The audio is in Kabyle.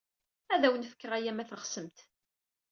Ad awen-fkeɣ aya ma teɣsem-t.